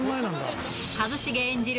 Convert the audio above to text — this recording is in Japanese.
一茂演じる